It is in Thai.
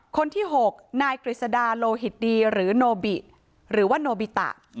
คนที่๖นายกฤษดาโลหิตดีหรือโนบิหรือว่าโนบิตะ